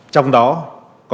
trong đó có